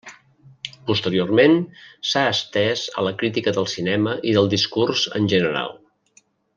Posteriorment s'ha estès a la crítica del cinema i del discurs en general.